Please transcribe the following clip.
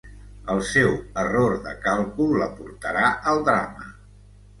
El seu error de càlcul la portarà al drama.